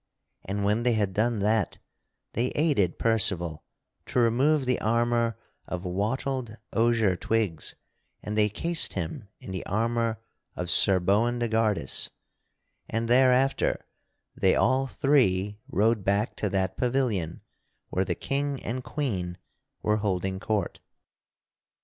And when they had done that they aided Percival to remove the armor of wattled osier twigs and they cased him in the armor of Sir Boindegardus; and thereafter they all three rode back to that pavilion where the King and Queen were holding court.